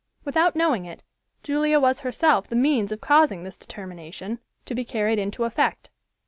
Without knowing it, Julia was herself the means of causing this determination to be carried into effect.